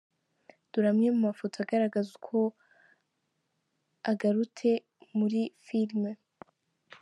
Dore amwe mu mafoto agaragaza uko agarute muri Filime.